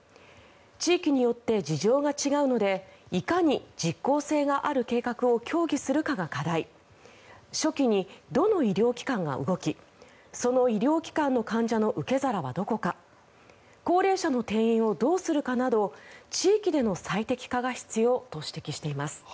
地域によって事情が違うのでいかに実効性がある計画を協議するかが課題初期に、どの医療機関が動きその医療機関の患者の受け皿はどこか高齢者の転院をどうするかなど地域での最適化が必要と指摘しています。